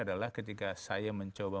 adalah ketika saya mencoba